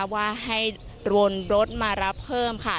ว่าให้วนรถมารับเพิ่มค่ะ